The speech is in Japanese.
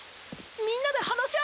みんなで話し合えば。